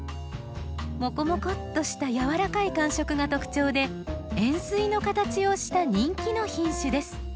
もこもこっとしたやわらかい感触が特徴で円すいの形をした人気の品種です。